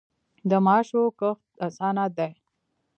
د ماشو کښت اسانه دی.